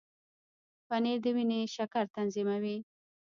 پنېر د وینې شکر تنظیموي.